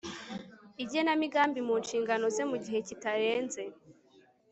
igenamigambi mu nshingano ze mu gihe kitarenze